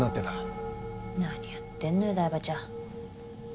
何やってんのよ台場ちゃん。